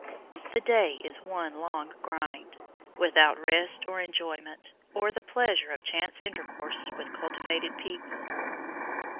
The day is one long GRIND, without rest or enjoyment, or the pleasure of chance intercourse with cultivated people.